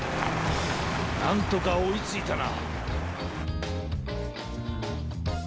なんとかおいついたな。